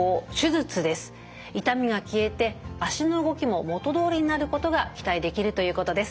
痛みが消えて脚の動きも元どおりになることが期待できるということです。